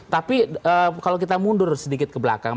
tapi kalau kita mundur sedikit ke belakang